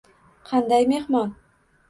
– Qanday mehmon?